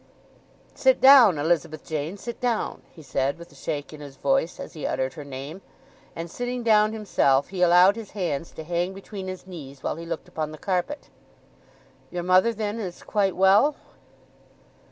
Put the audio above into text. "Sit down—Elizabeth Jane—sit down," he said, with a shake in his voice as he uttered her name, and sitting down himself he allowed his hands to hang between his knees while he looked upon the carpet. "Your mother, then, is quite well?"